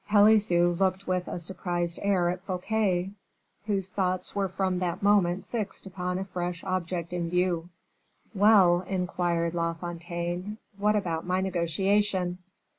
Pelisson looked with a surprised air at Fouquet, whose thoughts were from that moment fixed upon a fresh object in view. "Well!" inquired La Fontaine, "what about my negotiation?"